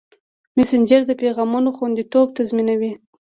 مسېنجر د پیغامونو خوندیتوب تضمینوي.